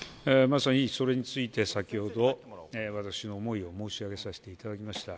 まさにそれについて、先ほど、私の思いを申し上げさせていただきました。